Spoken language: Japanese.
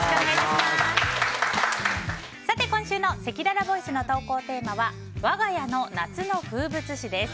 さて、今週のせきららボイスの投稿テーマはわが家の夏の風物詩です。